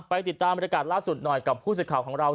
ไปติดตามบรรยากาศล่าสุดหน่อยกับผู้สื่อข่าวของเรา